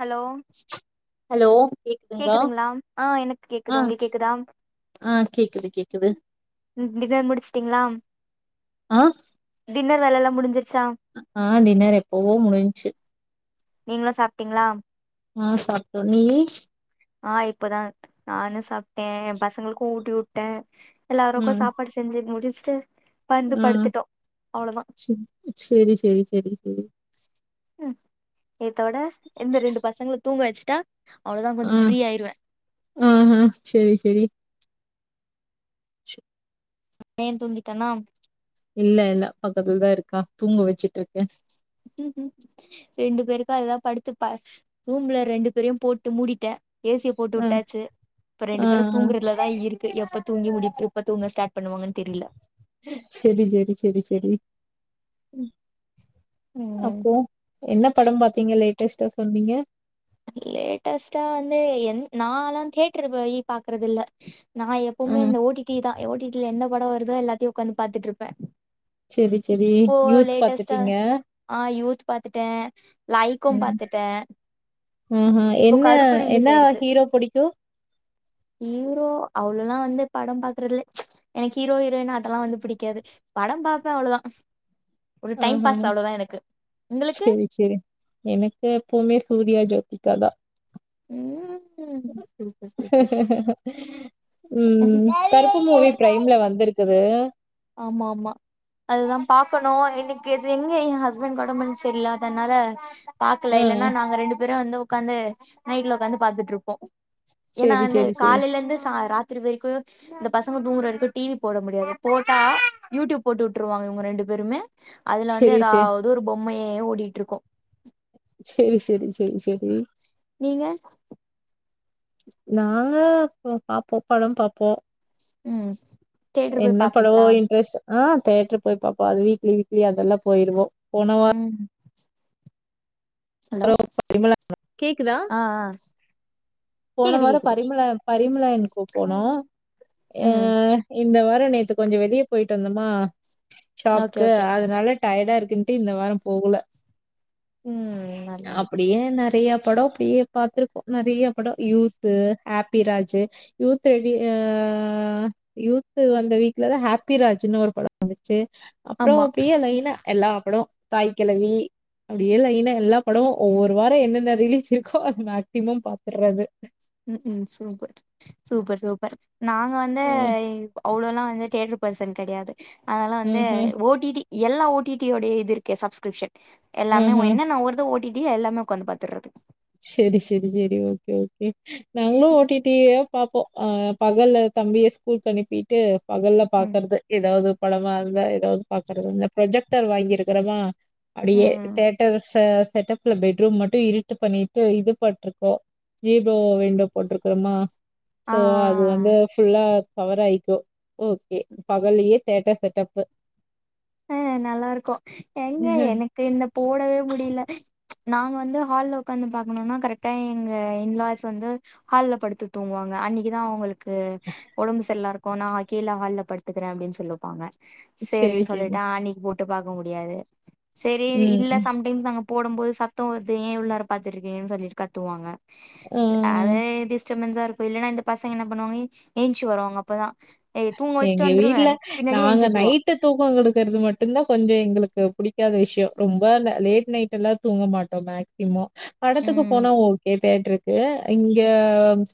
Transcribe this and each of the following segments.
Hello hello கேக்குதுங்ளா கேக்குதுங்களா ஆ எனக்கு கேக்குது அ உங்களுக்கு கேக்குதா ஆ கேக்குது கேக்குது டின்னர் முடிச்சுட்டீங்ளா ஆ டின்னர் வேலலல்லாம் முடிஞ்சிருச்சா ஆ டின்னர் எப்பவோ முடிஞ்ச்சு நீங்ளு சாப்பிட்டீங்ளா ஆ சாப்ட்டோ நீயி ஆ இப்பதா நானு சாப்ட்டே பசங்களுக்கு ஊட்டி விட்டே எல்லாருக்கு ம் சாப்பாடு செஞ் சு முடிச்ட்டு ம் சேரி சேரி சேரி சேரி சேரி ம் இத்தோட இந்த ரெண்டு பசங்ள தூங்க வச்ட்டா அவ்ளோதா கொஞ்சோ ஃப்ரீயாயிருவே அஹ சேரி சேரி ச பைய தூங்கிடானா இல்ல இல்ல பக்கத்துலதா இருக்கா தூங்க வச்சிட்ருக்கே ரெண்டு பேருக்கு அததா படுத்து ரூம்ல பா ரெண்டு பேரையு போட்டு மூடிட்டே ஏ சி யபோட்டு ஆ வுட்டாச்சு இப்ப ஆ ரெண்டு பேரு ஆ தூங்ரதுலதா இருக்கு எப்ப தூங்கி முடிப்பு எப்ப தூங்க ஸ்டார்ட் பண்ணுவாங்கனு தெரில சேரி சேரி சேரி சேரி ம் அப்போ என்ன படம் பாத்தீங்க லேட்டஸ்ட்ட சொன்னீங்க லேட்டஸ்ட்டா வந்து என் நாலா தியேட்டர் போய் பாக்குறது இல்ல நா ஆ எப்பவுமே இந்த ஓ டி டிதா ஓ டி டில எந்த படம் வருதோ எல்லாத்தையு உட்காந்து பாத்துட்டு இருப்பே செரி செரி இப்போ யூத் லேட்டஸ்ட்டா பாத்துட்டீங்க ஆ யூத் பாத்துட்டே லைக்கு பாத்துட்டே ம்ஹு இப்போ என்ன கருப்பு ரிலீஸ் என்னா ஆயிருக்கு ஹீரோ பிடிக்கு ஹீரோ அவ்ளல்லா வந்து படம் பாக்குறதுல்ல எனக்கு ஹீரோ ஹீரோயின் அதெல்லா வந்து பிடிக்காது படம் பாபப்பே அவ்வளதா ம்ஹு உங்களுக்கு செரி செரி எனக்கு எப்பவுமே சூர்யா ஜோதிக்காதா ம்ஹு சூப்பர் சூப்பர் சூப்பர் ம் கருப்பு மூவி ஒரு பிரைம்ல வந்திருக்குது ஆமா ஆமா அதுதா பாக்கணு எனக்கு எது எங்க என் ஹஸ்பண்ட்க்கு உடம்புன்னு சரியல அதனால ஆ பாக்கல இல்லன்னா நாங்க ரெண்டு பேரு வந்து உக்காந்து நைட்ல உக்காந்து பாத்துட்டு இருப்போ ஏன்னா செரி அந்த செரி செரி காலையில இருந்து ச ராத் த்தரி வரைக்கு இந்த பசங்க தூங்கற வரைக்கு டிவி போட முடியாது போட்டா யூடியூப் போட்டு விட்டுருவாங்க இவுங்க ரெண்டு பேருமே அதுல வந்து செரி செரி எதாவது து ஒரு பொம்மையே ஓடிட்டு இருக்கு செரி செரி செரி செரி நீங்க நாங்க பாப்போ படம் பாப்போ ம் தேட்டர் போய் என்ன படவோ பாப்பீங்களா இன்ட்ரெஸ்ட் ஆ தேட்ரு போய் பாப்போ அது வீக்லி வீக்லி அதெல்லா போயிருவோ போன வார ம் ஹலோ கேக்குதா ஆ ஆ போன கேக்குது வார கேக்குது பரிமள பரிமளன் கோ போனோ அ ம் இந்த வார நேத்து கொஞ்ச வெளிய போயிட்டு வந்தோமா ஓகே ஷாப்கு ஓகே அதனால டயர்டா இருக்குன்ட்டு இந்த வார போகல ம் நல்லது அப்டியே நிறைய படம் அப்டியே பாத்துருக்கோ நிறைய படம் யூத்து ஹாப்பிராஜ் யூத் ரெடி ஆ யூத்து வந்த வீக்லதா ஹாப்பிராஜ்ன்னு ஒரு பட வந்துச்சு அப்புறோ ஆமா அப்டியே லைனா எல்லா படோ தாய் கிழவி அப்டியே லைனா எல்லா படமு ஒவ்வொரு வார என்னென்ன ரிலீஸ் இருக்கோ அதது மேக்சிமம் பாத்துறது ம் ம் சூப்பர் சூப்பர் நாங்க வந்து ம் அவ்ளோல்லா வந்து தியேட்டரு பர்சன் கிடையாது அதனால வந்து ம் ம் ஓ டி டி எல்லா ஓ டி டி உடைய இது இருக்கு சப்ஸ்கிரிப்ஷன் ம் எல்லாமே ம் என்னன்ன வருதோ ஒ டி டி எல்லாமே உட்காந்து பாத்துறது செரி செரி செரி ஓகே ஓகே நாங்களு ஓ டி டியப் பாப்போ அ பகல்ல தம்பிய ஸ்கூல்க்கு அனுப்பிட்டு பகல்ல ம் பாக்கறது எதாவது படமா இருந்தா எதாவது பாக்குறது ப்ரொஜக்டர் வாங்கிருக்கிறமா அப்டியே ம் தேட்டர் ச செட்டப்ல பெட்ரூம் மட்டு இருட்டு பண்ணி ட்டு இது போட்டிருக்கோ ஜீரோ விண்டோ போட்டிருக்கோமா ஆ சோ அது வந்து ஃபுல்லா கவர் ஆயிக்கு கே பகல்லயே தேட்டர் செட்டப்பு அ நல்லா ருக்கு எங்க எனக்கு இந்த போடவே முடில நாங்க வந்து ஹால்ல உக்காந்து பாக்கணுனா கரெக்டா எங்க இன்லாஸ் வந்து ஹால் படுத்து தூங்குவாங்க அன்னைக்குதா அவுங்களுக் கு ஒடம்பு செல்லா இருக்கு நா அ கீழ ஹால்ல படுத்துக்கிறே அப்டின்னு சொல்லுப்பாங்க சரி, சேரினு சரி. அ அன்னைக்கு போட்டு பாக்க முடியாது செரி ம், இல்ல ம். சம்டைம் நாங்க போடு போது சத்தோ வருது ஏ இவ்ளோ நேரோ பாத்துட்டு ருக்கேன்னு சொல்லிட்டு கத்துவாங்க செ ஆ. அதே டிஸ்டு டிஸ்டபென்சு இருக்கு இல்லன்னா இந்த பசங்கே என்ன பண்ணு வாங்கே ஏஞ்ச்சு வருவாங்க அப்பதா ஏய் தூங்க வச்சுட்டு வந்துருவே பின்னாடியே ஏஞ்ச்சு வந்துருவா ட்டு தூக்க குடுக்கிறது மட்டுதா கொஞ்ச எங்களுக்கு புடிக்காத விஷ்யோ ரொம்ப ல லேட் நைட் எல்லா தூங்க மாட்டோ மேக்சிமோ படத்துக்கு ம் போனா ஓகே தேட்ட ருக்கு இங்க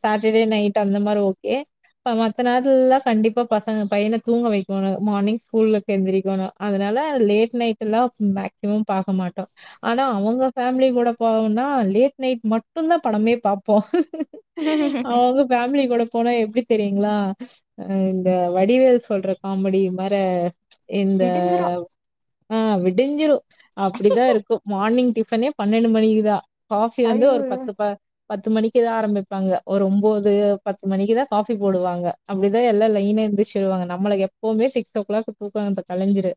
சாட்டர்டே நைட்டு அந்த மாரி ஓகே இப்ப மத்த நேரத்துலல்லா கண்டிப்பா பசங்க பையன தூங்க வைக்கணு மார்னிங் ஸ்கூல்லுக்கு எந்திரக்கணு அதனால லேட் நைட் டுல்லா மேக்சிமம் பாக்க மாட்டோ ஆனா அவுங்க ஃபேமிலி கூட போவோனா லேட் நைட் மட்டுதா படமே பாப்போ அவுங்க ஃபேமிலி கூட போனா எப்டி தெரியுங்களா அ இந்த வடிவேல் சொல்ற காமெடி மாரு இந்த விடிஞ்சிரு ஆ விடிஞ்சிரு அப்டிதா இருக்கு மார்னிங் டிஃபனே பன்னெண்டு மணிக்குதா காஃபி வந்து ஐயோ ஒரு பத்து ப பத்து மணிக்குதா ஆரமிப்பாங்க ஒரு ஒம்போது பத்து மணிக்கு தா காஃபி போடுவாங்க அப்டிதா எல்லா லை ஈனபிச்சிடுவாங்க நம்மள எப்போவுமே சிக்ஸ் ஓ கிளாக் தூக்கோ இப்ப கலஞ்சிரு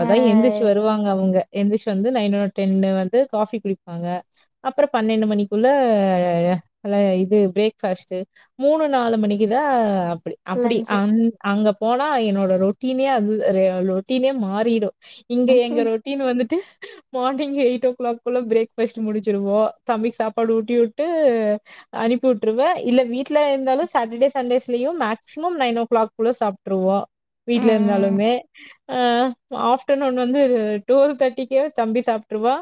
ஆ எந்திரிச்சு வருவாங்க அவுங்க எந்திச்சு வந்து நைன் ஓ டென்னு வந்து காஃபி குடிப்பாங்க அப்பறோ பன்னெண்டு மணிக்குள்ள அல்ல இது பிரேக்ஃபாஸ்ட்டு மூணு நாலு மணிக்குதா அப்டி அப்டி லஞ்சு அங் அங்க போனா என்னோட ரொட்டினே அது ஒரு லோ ரொட்டினே மாறிடு இங்க ம் எங்க ரொட்டீன் வந்துட்டு மார்னிங் எயிட் ஓ கிளாக்குள்ள பிரேக்ஃபாஸ்ட்டு முடிச்சிடுவோ தம்பிக்கு சாப்பாடு ஊட்டி விட்டு அனுப்பி வுட்டுருவே இல்ல வீட்ல இருந்தாலு சாட்டர்டே சன்டேஸ்லயு மேக்சி மம் நைன் ஓ கிளாக்குள்ள சாப்ட்டுருவோ வீட்ல ம் இருந்தாலுமே அ ஆஃப்டர்நூன் வந்து டூரு தேர்ட்டிக்கே தம்பி சாப்ட்டுருவா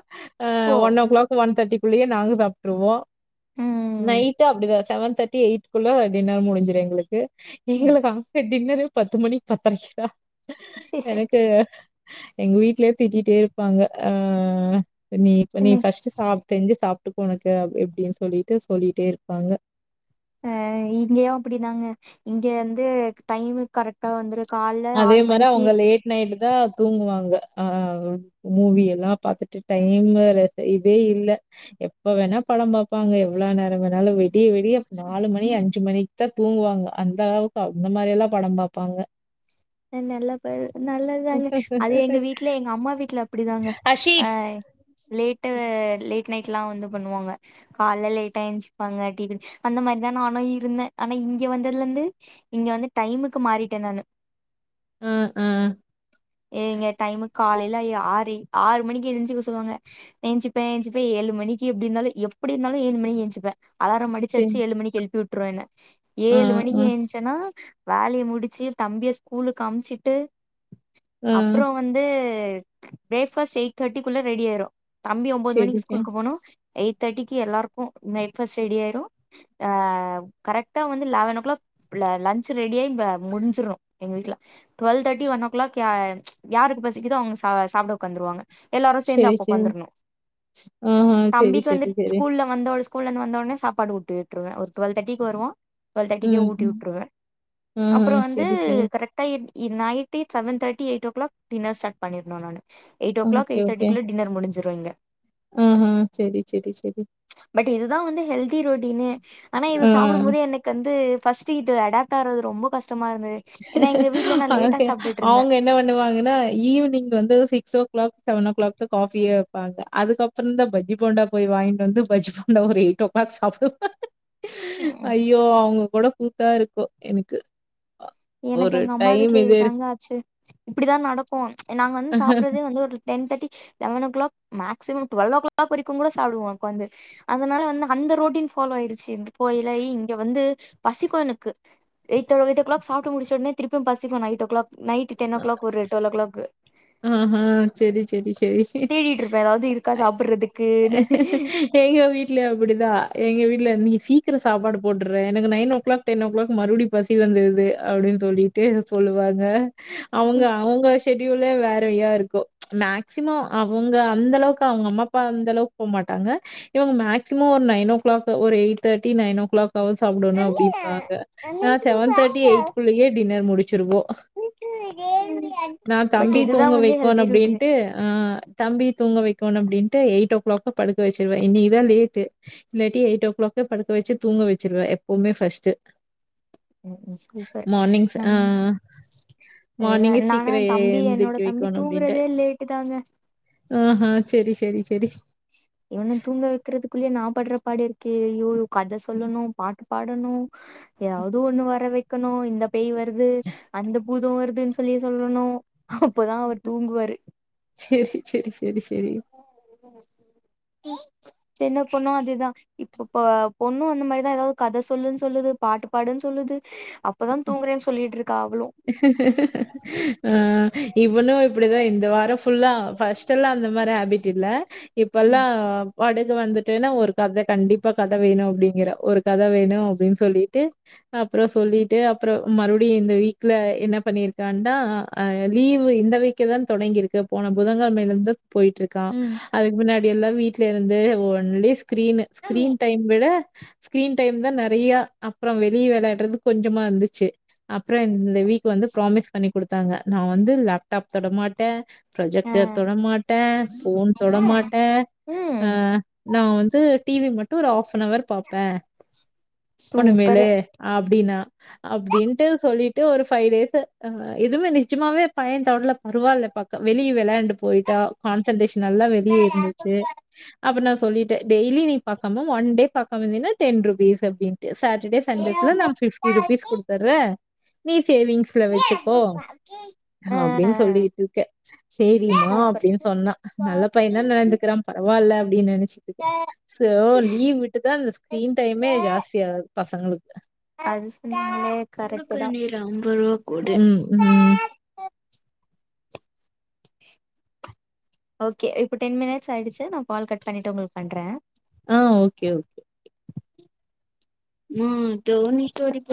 அ ஒன் ஓ கிளாக் ஒன் தேர்ட்டிக்குள்ளேயே நாங்க சாப்ட்டுருவோ ம் நைட்டு அப்டிதா செவன் தேர்ட்டி எயிட் குள்ள டின்னர் முடிஞ்சுரு எங்களுக்கு ம் எங்களுக்கு ஆஃப்டர் டின்னரு பத்து மணிக்கு பத்தரைக்குதா சேரி எனக்கு எங்க வீட்லயே திட்டிட்டே இருப்பாங்க ஆ நீ இப்ப நீ என்ன ஃபஸ்ட்டு சாப் செஞ்சு சாப்ட்டுக்கு ஒனக்கு அப் எப்டின்னு சொல்லிட்டு சொல்லிட்டே இருப்பாங்க அ இங்கயு அப்டிதாங்க இங்க வந்து டைமு கரெக்டா வந்துரு கால்ல ஆறு மணிக்கி நைட்டு தா தூங்குவாங்க ஆ வு மூவி எல்லா பாத்துட்டு டைமு வந்து இதே இல்ல எப்ப வேணா பட பாப்பாங்க எவ்ளோ நேர வேணாலு வெடிய வெடிய நாலு மணி அஞ்சு மணி க்கு தா தூங்குவாங்க அந்த அளவுக்கு அவ் அந்த மாரி எல்லா படோ பாப்பாங்க அ நல்ல பகு நல்லதுதாங்க அது எங்க வீட்ல எங்க அம்மா வீட்ல அப்டிதாங்க அ அஷித். ய் லேட்டு லேட் நைட் ல்லா வந்து பண்ணுவாங்க கால்ல லேட்டா ஏஞ்ச்சுப்பாங்க டீ குடி அந்த மாரிதா நானு இருந்தே ஆனா இங்க வந்ததுல இருந்து இங்க வந்து டைமுக்கு மாறிட்டே நானு ஆ ஆ இவங்க டைமு காலைல ஆறு ஆறு மணிக்கே எந்திச்சுக்க சொல்லுவாங்க எந்துச்சுப்ப எந்துச்சிட்டு ஏழு மணிக்கு எப்டி இருந்தாலு எப்டி இருந்தாலு ஏழு மணிக்கு எந்துச்சுப்ப அலாரம் அடிச்சு சரி. அடிச்சு ஏழு மணிக்கு எழுப்பி விட்ரு என்ன ஆ, ஏழு மணிக்கு ஆ, எந்துச்சி ட்டனா வேலைய முடிச்சு தம்பிய ஸ்கூலுக்கு அம்ச்சிட்டு ஆ. அப்றோ வந்து பிரேக்ஃபஸ்ட் எயிட் தேர்ட்டிக்குள்ள ரெடி ஆயிரு தம்பி ஒம்போது மணிக்கு சரிங்க. ஸ்கூலுக்கு போனு எயிட் தேர்டிக்கு எல்லாருக்கு பிரேக்ஃபஸ்ட் ரெடி ஆயிரு ஆ கரெக்ட்டா வந்து லெவன் ஓ கிளாக் ல லன்ச் ரெடியாகி வ முடிஞ்சிடு எங்க வீட்ல twelve thirty one o'clock யா யாருக்கு பசிக்குதோ அவங்க சா சாப்பிட ஒக்காந்துருவாங்க எல்லாரு சேந்து சரி, அப்ப சரி. ஒக்காந்துருணு ஆஹா. சரி, தம்பிக்கு வந்து சரி, சரி. ஸ்கூல்ல வந்தோன ஸ்கூல்ல இருந்து வந்தோன சாப்பாடு ஊட்டி விட்டுருவே ஒரு டுவெல் தேர்ட்டிக்கு வருவா டுவெல் தேர்ட்டிக்கே ம், ஊட்டி ம். விட்டுருவே ஆஹா, அப்றோ வந்து சரி, சரி. கரெக்டா எ night seven thirty eight o'clock dinner start பண்ணிருணு நானு eight o'clock okay, eight தேர்டிக்குள்ள டின்னர் முடிஞ்சிடு இங்க ஆஆ சேரி சேரி சேரி பட் இதுதா வந்து ஹெல்தி ரொட்டீனு ஆனா இது ஆ. சாப்பிடும் போதே எனக் கு வந்து ஃபஸ்ட் இது அடாப்ட் ஆவுறது ரொம்ப கஷ்டமா இருந்தது ஏன்னா எங்க வீட்ல நா லேட்டா அவங்கக்கு சாப்ட்டுட்டு இருந்தே அவங்க என்ன பண்ணுவாங்கனா ஈவினிங் வந்து six o'clock seven o'clock காஃபியே வைப்பாங்க அதுக்கப் அப்பறந்தா பஜ்ஜி போண்டா போய் வாங்கிட்டு வந்து பஜ்ஜி போண்டா ஒரு எயிட் ஓ கிளாக் சாப்டு ம் ஐயோ அவங்க கூட கூத்தா இருக்கு எனக்கு எனக்கு ஒரு எங்க அம்மா டைம் வீட்ல இது இருக்கு. இதுதாங்க ஆச்சு இப்டிதா நடக்கு நாங்க வந்து சாப்பிட்றதே வந்து ஒரு ten thirty eleven o'clock maximum twelve o'clock வரைக்கு கூட சாப்டுவோ உக்காந்து அதனால வந்து அந்த ரொட்டின் ஃபாலோ ஆயிருச்சு இப்பே இல்ல இங்க வந்து பசிக்கோ எனக்கு எய்ட் எய்ட்டோ கிளாக் சாப்பட்டு முடிச்ச ஒடனே திருப்பியு பசிக்கும் night o'clock ten o'clock ஒரு டுவெல்லோ கிளாக் ஆஹ சேரி சேரி சேரி தேடிட்டு இருப்பே ஏதாவது இருக்கா சாப்ட்றதுக் எங்க வீட்ல அப்படிதா எங்க வீட்ல நீ சீக்கிரம் சாப்பாடு போட்டுட்ற எனக்கு nine o'clock ten o'clock மறுபடியு பசி வந்துடுது அப்டின்னு சொல்லிட்டு சொல்லுவாங்க அவங்க அவங்க செடியூலே வேறயா இருக்கு மேக்சிமம் அவங்க அந்த அளவுக்கு அவங்க அம்மா அப்பா அந்தளவுக்கு போ மாட்டாங்க இவங்க மேக்சிமம் ஒரு நைன் ஓ கிளாக் ஒரு eight thirty nine o'clock காவது சாப்டணு அப்டிப்பாங்க நா செவன் தேர்ட்டி எயிடு குள்ளேயே டின்னர் முடிச்சிருவோ நா பட் தம்பி இதுதா தூங்க வந்து வைக்குனு ஹெல்தி ரொட்டீன் அப்படின்ட்டு ஆ தம்பி தூங்க வைக்கணு அப்டின்ட்டு எயிட் ஓ கிளாக் படுக்க வச்சிருவே இன்னைக்குதா லேட்டு இல்லாட்டி எயிட் ஓ கிளாக்கே படுக்க வச்சி தூங்க வச்சிருவே எப்பவுமே ஃபஸ்ட் ஆ சூப்பர், மார்னிங் ம் ஆ ஏன்னா மார்னிங்கே நானா சீக்கிரம் என் தம்பி என்னோட எழுந்திரிக்க தம்பி வைக்கோணும் தூங்குறதே லேட்டு தாங்க ஆஹ சேரி சேரி சேரி இவன தூங்க வைக்கிறதுக்குள்ளயே நா படுற பாடு இருக்கே ஐயோ கத சொல்லணு பாட்டு பாடணு ஏதாவது ஒண்ணு வர வைக்கணு இந்த பேய் வருது அந்த பூதம் வருதுன்னு சொல்லி சொல்லணு அப்போதா அவரு தூங்குவாரு சேரி சேரி சேரி சேரி சின்ன பொண்னு அதேதா இப்ப இப்ப பொண்ணு வந்த மாரிதா ஏதாவது கத சொல்லுன்னு சொல்லுது பாட்டு பாடுன்னு சொல்லுது அப்பதா தூங்குறேன்னு சொல்லிட்டு இருக்கா அவளும் ஆ இவனும் இப்படி தா இந்த வாரம் ஃபுல்லா பஸ்ட் எல்லா அந்த மாரி ஹேபிட் இல்ல இப்பெல்லாம் படக வந்துட்டேன் ஒரு கத கண்டிப்ப பா கத வேணும் அப்படிங்கற ஒரு கத வேணும் அப்படின்னு சொல்லிட்டு அப்பறம் சொல்லிட்டு அப்பறம் மறுபடி இந்த வீக் ல என்ன பண்ணியிருக்கான்டா அ லீவு இந்த வீக்கு தா தொடங்கியிருக்கு போன புதன் கிழமை ல இருந்து போயிட்டு இருக்கா ம் அதுக்கு முன்னாடி எல்லா வீட்ல இருந்து ஒன்லீ ஸ்கிரீன் ஸ்கிரீன் டைம் விட ஸ்கிரீன் டைம் தா நெறைய அப்புறம் வெளியே விளையாடுறது கொஞ்சமா இருந்துச்சு அப்புறம் இந்த வீக் வந்து ப்ராமிஸ் பண்ணி கொடுத்தாங்க நா வந்து லேப்டாப் தொட மாட்ட பிரோஜெக்டர் தொட மாட்ட போன் தொட மாட்ட ஆ ம் நா வந்து டிவி மட் ஒரு ஹாப்னவர் பாப்பே இனிமேலு அப்படின்னா அப்படின்ட்டு சொல்லிட் ஒரு ஃபைவ் டேஸ் இதுவுமே நிஜமாவே பைய தொடல பரவாயில்ல பாத்தா வெளியே விளையாண்டட போயிட்டா கான்சென்ட்ரேஷன் நல்லா வெளியே இருந்துச்சு அப்ப நா சொல்லிட்ட டெய்லி நீ பாக்காம ஒன் டே பாக்காம இருந்தேனா டென் ருபீஸ் அப்படின்னு சாட்டர்டே சன்டேஸ்ல நா பிப்டி ருபீஸ் குடுத்துடுற நீ சேவிங்ஸ்ல வச்சுக்கோ அப்படின்னு சொல்லிட்டு இருக்க சரிமா அப்படின்னு சொன்னா நல்ல பையனா நடந்துக்கிறா பரவாயில்ல அப்டின்னு நினைச்ச க சோ லீவ் விட்டுதா இந்த ஸ்கிரீன் டைமே ஜாஸ்திய ஆது பசங்களுக்கு அது சொன்னாங்களே கரெக்ட் தா ஒரு அம்பது ரூபா கொடு உம் ம் ஓகே இப்ப டென்மினிட்ஸ் ஆகிடுச்சு நா கால் கட் பண்ணிட்டு உங்களுக்கு பண்றே ஆ ஓகே உம் தோழி தோழிபோ